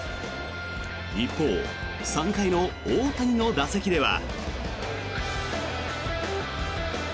一方、３回の大谷の打席では。